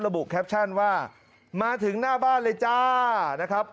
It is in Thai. บุแคปชั่นว่ามาถึงหน้าบ้านเลยจ้านะครับ